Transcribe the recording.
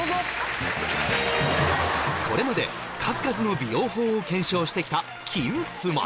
これまで数々の美容法を検証してきた「金スマ」